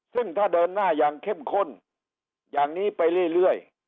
ซึ่งถ้าเดินหน้าอย่างเข้มข้นอย่างนี้ไปเรื่อย